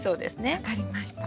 分かりました。